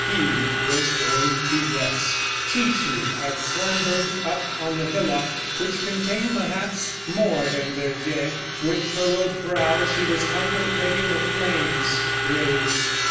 ... He was going to rest. Chichi had clambered up on the hillock which contained, perhaps, more than their dead. With furrowed brow, she was contemplating the plain. Graves